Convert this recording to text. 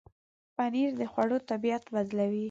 پنېر د خوړو طبعیت بدلوي.